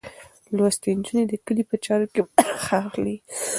لوستې نجونې د کلي په چارو کې برخه اخلي.